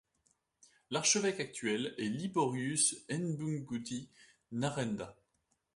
L'archevêque actuel est Liborius Ndumbukuti Nashenda.